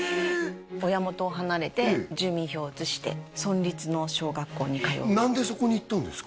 親元を離れて住民票を移して村立の小学校に通う何でそこに行ったんですか？